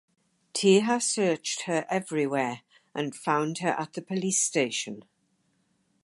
Thiha searched her everywhere and found her at the police station.